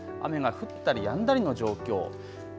雨が降ったりやんだりの状況。